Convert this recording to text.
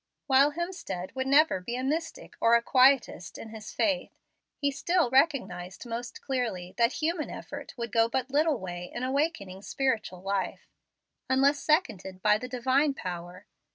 While Hemstead would never be a Mystic or a Quietest in his faith, he still recognized most clearly that human effort would go but little way in awakening spiritual life, unless seconded by the Divine power.